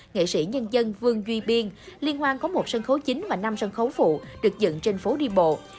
nghệ sĩ nhân dân vương duy biên liên hoan có một sân khấu chính và năm sân khấu phụ được dựng trên phố đi bộ